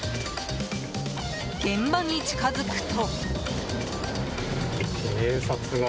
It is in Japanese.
現場に近づくと。